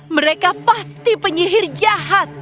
mereka pasti penyihir jahat